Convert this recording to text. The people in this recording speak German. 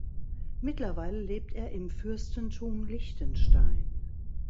Mittlerweile lebt er im Fürstentum Liechtenstein.